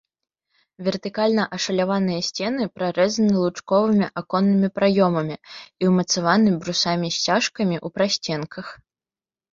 Вертыкальна ашаляваныя сцены прарэзаны лучковымі аконнымі праёмамі і ўмацаваны брусамі-сцяжкамі ў прасценках.